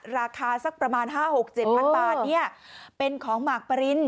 ราคาสักประมาณ๕๖๗๐๐บาทเป็นของหมากปริน